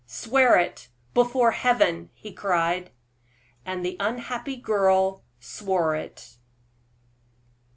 "Swear it, before Heaven!" he cried. And the unhappy girl swore it!